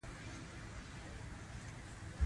ازادي راډیو د بیکاري په اړه د ځوانانو نظریات وړاندې کړي.